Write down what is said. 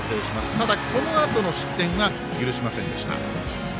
ただ、このあとの失点は許しませんでした。